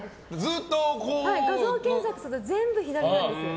画像検索すると全部、左なんですよ。